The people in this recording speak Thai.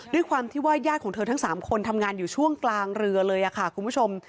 ด้วยความที่ว่าญาติของเธอทั้ง๓คนทำงานอยู่ช่วงกลางเรือเลยค่ะคุณผู้ชม